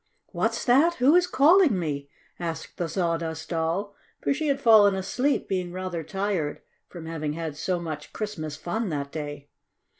"What's that? Who is calling me?" asked the Sawdust Doll, for she had fallen asleep, being rather tired from having had so much Christmas fun that day.